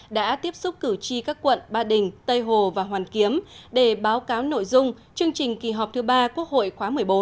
đã tiếp xúc cử tri các quận ba đình tây hồ và hoàn kiếm để báo cáo nội dung chương trình kỳ họp thứ ba quốc hội khóa một mươi bốn